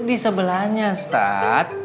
di sebelahnya stat